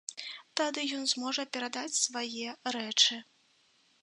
Тады ён зможа перадаць свае рэчы.